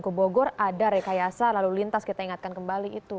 ke bogor ada rekayasa lalu lintas kita ingatkan kembali itu